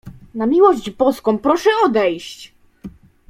"Na miłość Boską, proszę odejść!"